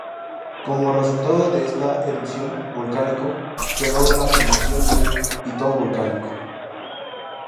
Como resultado de esta erupción volcánico quedó la formación de un pitón volcánico.